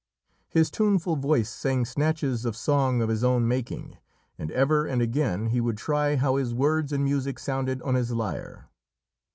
His tuneful voice sang snatches of song of his own making, and ever and again he would try how his words and music sounded on his lyre.